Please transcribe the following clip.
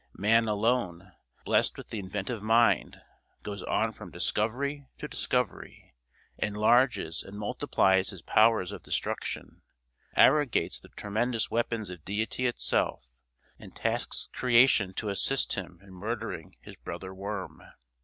Man alone, blessed with the inventive mind, goes on from discovery to discovery, enlarges and multiplies his powers of destruction; arrogates the tremendous weapons of Deity itself, and tasks creation to assist him in murdering his brother worm!